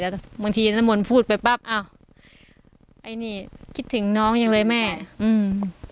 แต่บางทีน้ำมนต์พูดไปปั๊บอ้าวไอ้นี่คิดถึงน้องยังเลยแม่อืม